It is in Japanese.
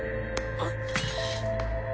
あっ！